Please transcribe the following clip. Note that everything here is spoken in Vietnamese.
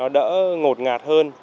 đỡ ngột ngạt hơn